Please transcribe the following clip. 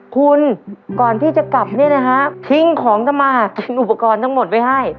คุณก่อนที่จะกลับเนี่ยนะฮะทิ้งของกลับมาเป็นอุปกรณ์ทั้งหมดไว้ให้